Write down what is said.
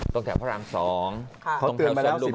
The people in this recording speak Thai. ตรงแถวพระราม๒ตรงแถวสนุกหมด